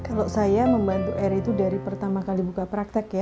kalau saya membantu eri itu dari pertama kali buka praktek ya